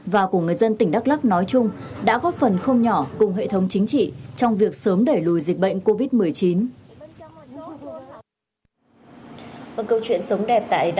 và của người dân tỉnh đắk lắc nói chung đã góp phần không nhỏ cùng hệ thống chính trị trong việc sớm đẩy lùi dịch bệnh covid một mươi chín